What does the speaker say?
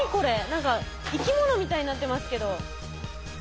何か生き物みたいになってますけど。